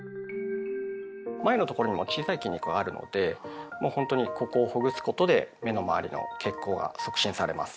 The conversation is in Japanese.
眉のところにも小さい筋肉はあるのでもうほんとにここをほぐすことで目の周りの血行が促進されます。